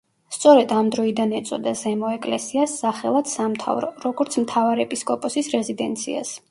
სწორედ ამ დროიდან ეწოდა „ზემო ეკლესიას“ სახელად „სამთავრო“, როგორც მთავარეპისკოპოსის რეზიდენციას.